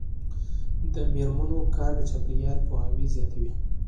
د میرمنو کار د چاپیریال پوهاوي زیاتوي.